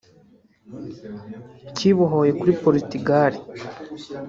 kibohoye kuri Portugal